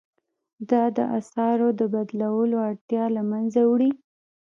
دا د اسعارو د بدلولو اړتیا له مینځه وړي.